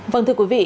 vâng thưa quý vị